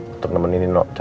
untuk nemenin ino cari osa